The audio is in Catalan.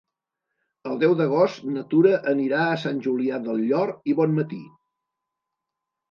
El deu d'agost na Tura anirà a Sant Julià del Llor i Bonmatí.